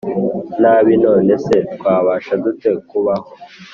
nabi None se twabasha dute kubaho